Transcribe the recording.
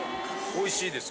おいしいです。